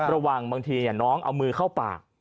บางทีน้องเอามือเข้าปาก